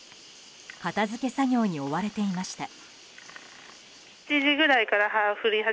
片づけ作業に追われていました。